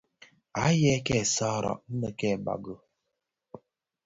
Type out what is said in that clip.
Àa yêê tsee kêê sààghràg inë kêê bàgi.